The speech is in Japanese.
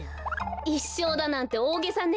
いっしょうだなんておおげさね。